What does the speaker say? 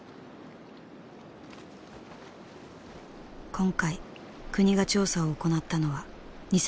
今回国が調査を行ったのは２隻の船。